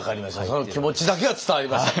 その気持ちだけは伝わりました。